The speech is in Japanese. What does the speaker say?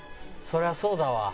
そりゃそうだわ。